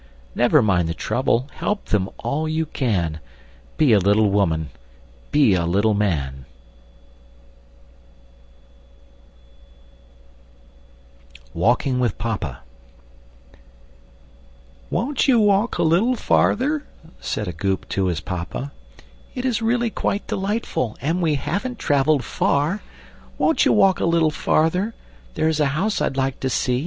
Never mind the trouble, Help them all you can; Be a little woman! Be a little man! [Illustration: Walking With Papa] WALKING WITH PAPA "Won't you walk a little farther?" Said a Goop to his Papa; "It is really quite delightful, And we haven't travelled far; Wont you walk a little farther, There's a house I'd like to see!